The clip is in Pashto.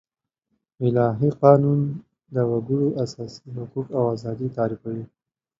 الهي قانون د وګړو اساسي حقوق او آزادي تعريفوي.